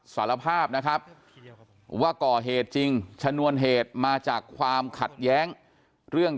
สารภาพนะครับว่าก่อเหตุจริงชนวนเหตุมาจากความขัดแย้งเรื่อง